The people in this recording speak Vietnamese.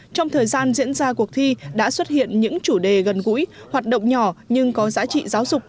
trong thời gian diễn ra cuộc thi đã xuất hiện những chủ đề gần gũi hoạt động nhỏ nhưng có giá trị giáo dục